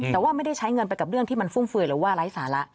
แต่ว่าไม่ได้ใช้เงินไปกับเรื่องที่มันฟุ่มเฟือยหรือว่าไร้สาระ